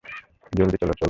জলদি, চলো, চলো।